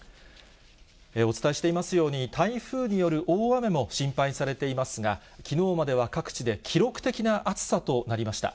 お伝えしていますように、台風による大雨も心配されていますが、きのうまでは各地で記録的な暑さとなりました。